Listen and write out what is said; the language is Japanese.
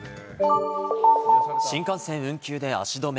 新幹線運休で足止め。